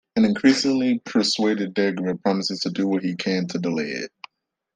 An increasingly persuaded Degra promises to do what he can to delay it.